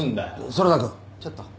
園田君ちょっと。